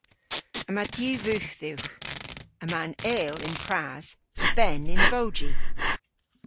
Yma diw vugh dhywgh. Yma an eyl y'n pras, hy ben y'n bowji.